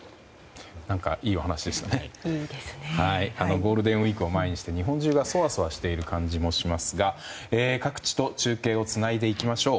ゴールデンウィークを前にして日本中がそわそわしている感じもしますが各地と中継をつないでいきましょう。